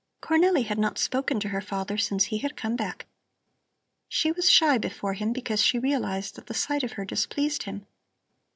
Cornelli had not spoken to her father since he had come back. She was shy before him, because she realized that the sight of her displeased him.